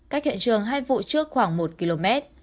cách hiện trường hai vụ trước khoảng một km